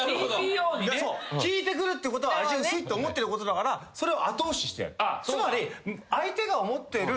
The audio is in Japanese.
聞いてくるってことは味薄いって思ってることだからそれを後押ししてやる。